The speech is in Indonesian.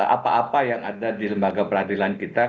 apa apa yang ada di lembaga peradilan kita